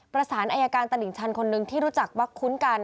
ประสานอายการตลิ่งชันคนนึงที่รู้จักว่าคุ้นกัน